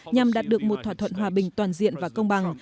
nhằm đạt được một thỏa thuận hòa bình toàn diện và công bằng